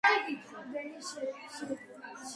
მდებარეობს სოფლის სამხრეთ-დასავლეთით, სასაფლაოზე.